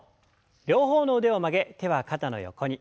両方の腕を曲げ手は肩の横に。